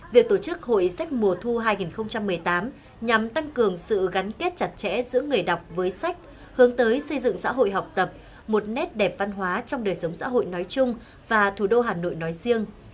việc tổ chức hội sách mùa thu hai nghìn một mươi tám nhằm tăng cường sự gắn kết chặt chẽ giữa người đọc với sách hướng tới xây dựng xã hội học tập một nét đẹp văn hóa trong đời sống xã hội nói chung và thủ đô hà nội nói riêng